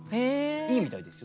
いいみたいですよそれ。